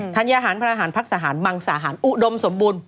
ัญญาหารพระหารพักษหารมังสาหารอุดมสมบูรณ